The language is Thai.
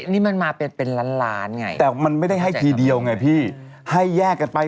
นี่มันมาเป็นเป็นล้านล้านไงแต่มันไม่ได้ให้ทีเดียวไงพี่ให้แยกกันไป